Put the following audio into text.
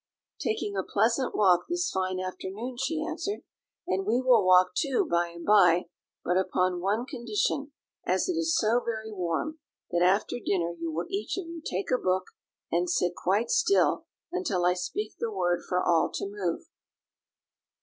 "Taking a pleasant walk this fine afternoon," she answered; "and we will walk too by and by, but upon one condition, as it is so very warm, that after dinner you will each of you take a book and sit quite still, until I speak the word for all to move."